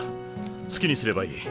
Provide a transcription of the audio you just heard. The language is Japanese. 好きにすればいい。